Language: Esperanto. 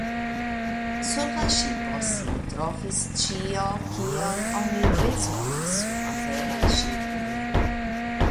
Sur la ŝipo sin trovis ĉio, kion oni bezonas sur la veraj ŝipoj.